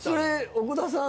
奥田さん